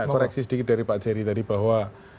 koreksi sedikit dari pak jerry tadi bahwa